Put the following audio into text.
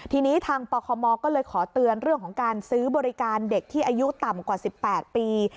ทีนี้ทางปคมก็เลยขอเตือนเรื่องของการซื้อบริการเด็กที่อายุต่ำกว่า๑๘ปี